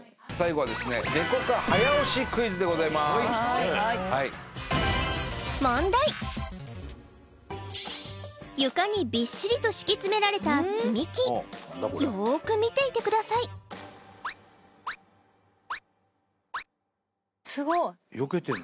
はいはい床にびっしりと敷きつめられた積み木よく見ていてくださいすごい！よけてんの？